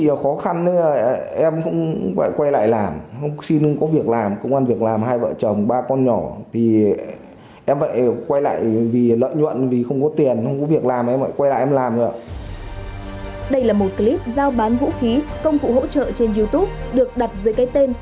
đây là một clip giao bán vũ khí công cụ hỗ trợ trên youtube được đặt dưới cái tên